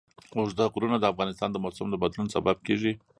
اوږده غرونه د افغانستان د موسم د بدلون سبب کېږي.